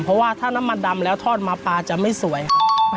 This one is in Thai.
เพราะว่าถ้าน้ำมันดำแล้วทอดมาปลาจะไม่สวยค่ะ